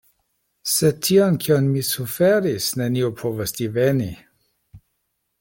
Sed tion, kion mi suferis, neniu povos diveni.